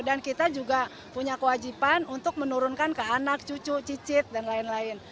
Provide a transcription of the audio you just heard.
dan kita juga punya kewajiban untuk menurunkan ke anak cucu cicit dan lain lain